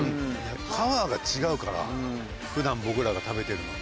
パワーが違うから普段僕らが食べてるのと。